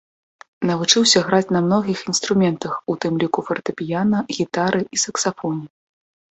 Навучыўся граць на многіх інструментах, у тым ліку фартэпіяна, гітары і саксафоне.